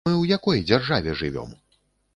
Мы ў якой дзяржаве жывём?